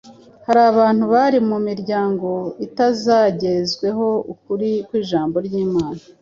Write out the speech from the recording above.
Hari abantu bari mu miryango itazagezwaho ukuri kw’ijambo ry’Imana.